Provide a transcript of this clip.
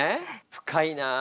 深いなあ。